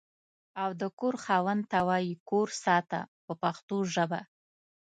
او د کور خاوند ته وایي کور ساته په پښتو ژبه.